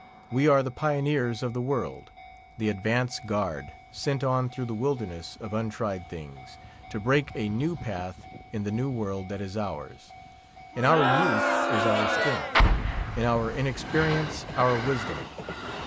We are the pioneers of the world; the advance guard, sent on through the wilderness of untried things, to break a new path in the New World that is ours. In our youth is our strength; in our inexperience, our wisdom.